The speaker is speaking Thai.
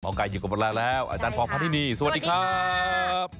ไก่อยู่กับพวกเราแล้วอาจารย์ปองพาธินีสวัสดีครับ